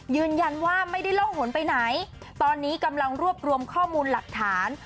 ยืนยันว่าไม่ได้ล่องหนไปไหนตอนนี้กำลังรวบรวมข้อมูลหลักฐาน